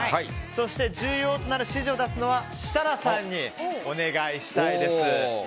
そして重要となる指示を出すのは設楽さんにお願いしたいです。